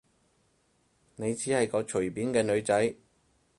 你只係個隨便嘅女仔